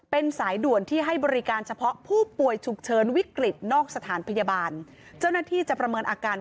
ป่วยฉุกเฉินวิกฤตนอกสถานพยาบาลเจ้าหน้าที่จะประเมินอาการ